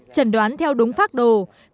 chẩn đoán theo đúng pháp đồ